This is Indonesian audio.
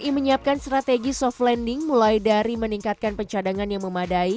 i menyiapkan strategi soft landing mulai dari meningkatkan pencadangan yang memadai